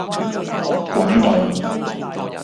滾動